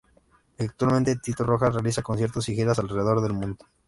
Actualmente Tito Rojas realiza conciertos y giras alrededor del mundo.